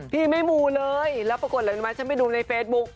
พี่ไม่มูเลยแล้วปรากฎเลยถึงฉันไปดูในเฟซบุ๊ค